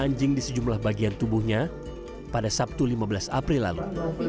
anjing di sejumlah bagian tubuhnya pada sabtu lima belas april lalu